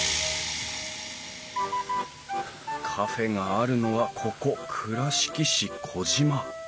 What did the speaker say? カフェがあるのはここ倉敷市児島。